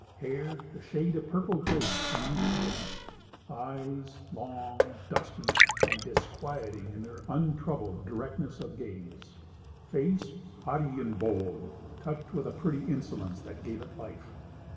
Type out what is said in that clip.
Hair, the shade of purple grapes viewed at midnight. Eyes, long, dusky, and disquieting with their untroubled directness of gaze. Face, haughty and bold, touched with a pretty insolence that gave it life.